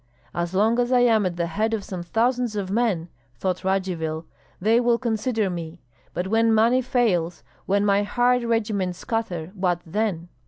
"As long as I am at the head of some thousands of men," thought Radzivill, "they will consider me; but when money fails, when my hired regiments scatter, what then?"